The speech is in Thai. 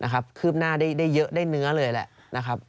นะครับคืบหน้าได้เยอะได้เนื้อเลยแหละ